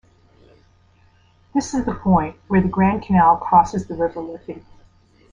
This is the point where the Grand Canal crosses the River Liffey.